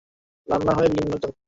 জলদি বলো, আমি ব্যস্ত।